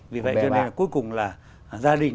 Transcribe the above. vì vậy cho nên cuối cùng là gia đình